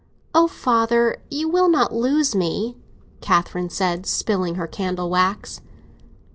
"Oh, father, you will not lose me!" Catherine said, spilling her candle wax.